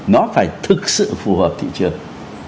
nó phải thực sự phù hợp thị trường